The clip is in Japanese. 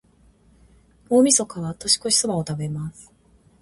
大晦日は、年越しそばを食べます。